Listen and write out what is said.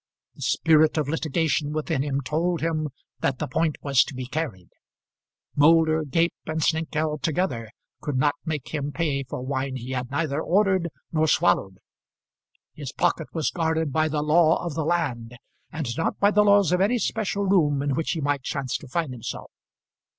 The spirit of litigation within him told him that the point was to be carried. Moulder, Gape, and Snengkeld together could not make him pay for wine he had neither ordered nor swallowed. His pocket was guarded by the law of the land, and not by the laws of any special room in which he might chance to find himself.